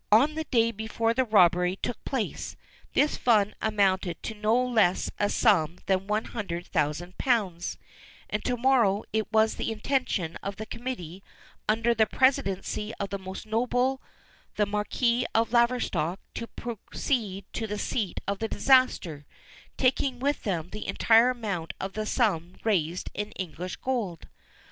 On the day before the robbery took place this fund amounted to no less a sum than one hundred thousand pounds, and to morrow it was the intention of the committee under the presidency of the Most Noble the Marquis of Laverstock to proceed to the seat of the disaster, taking with them the entire amount of the sum raised in English gold.